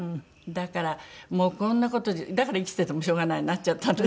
だからもうこんな事じゃだから「生きててもしょうがない」になっちゃったんですけど。